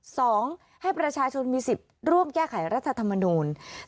สองให้ประชาชนมีสิทธิ์ร่วมแก้ไขรัฐธรรมนูล